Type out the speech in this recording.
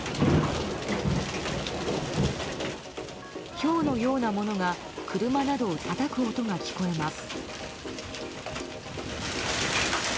ひょうのようなものが車などをたたく音が聞こえます。